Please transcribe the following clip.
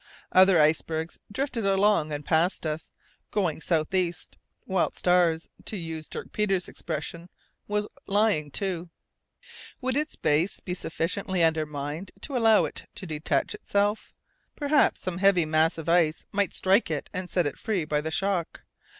Other icebergs drifted along and passed us, going south east, whilst ours, to use Dirk Peters' expression, was "lying to." Would its base be sufficiently undermined to allow it to detach itself? Perhaps some heavy mass of ice might strike it and set it free by the shock.